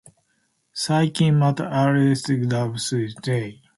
最近又有一波大新聞呀